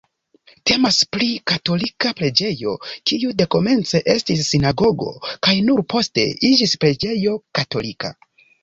Temas pri katolika preĝejo, kiu dekomence estis sinagogo kaj nur poste iĝis preĝejo katolika.